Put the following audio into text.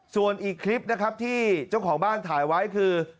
ส่วนอีกคลิปนะครับที่เจ้าของบ้านถ่ายไว้คือ